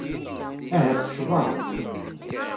Ahat ccḍeɣ.